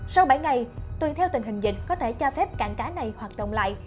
sau bảy ngày tùy theo tình hình dịch có thể cho phép cảng cá này hoạt động lại